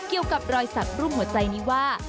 รอยสักรูปหัวใจนี้ว่า